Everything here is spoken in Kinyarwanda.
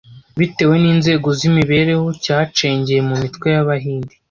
bitewe n’inzego z’imibereho cyacengeye mu mitwe y’Abahindi